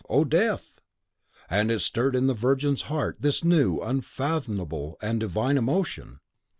O Death! And it stirred in the virgin's heart, this new, unfathomable, and divine emotion!